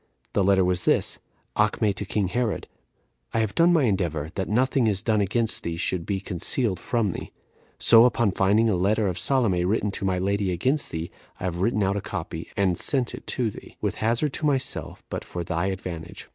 The letter was this: 'Acme to king Herod. I have done my endeavor that nothing that is done against thee should be concealed from thee. So, upon my finding a letter of Salome written to my lady against thee, I have written out a copy, and sent it to thee; with hazard to myself, but for thy advantage.'